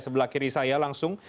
sebelah kiri saya langsung